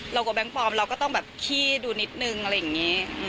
กว่าแบงค์ปลอมเราก็ต้องแบบขี้ดูนิดนึงอะไรอย่างนี้